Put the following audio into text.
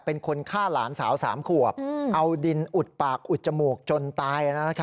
เป็นคนฆ่าหลานสาว๓ขวบเอาดินอุดปากอุดจมูกจนตาย